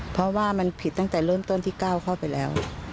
เพราะว่ามันผิดตั้งแต่เริ่มต้นที่ก้าวเข้าไปแล้ว